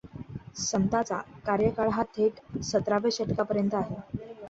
संतांचा कार्यकाळ हा थेट सतरावव्या शतकापर्यंतचा आहे.